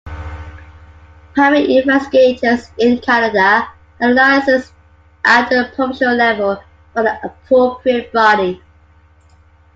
Private investigators in Canada are licensed at the provincial level by the appropriate body.